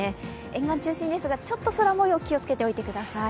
沿岸中心ですが、ちょっと空もよう気をつけておいてください。